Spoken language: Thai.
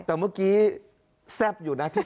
เสภอยู่ที่ฝาดกลับ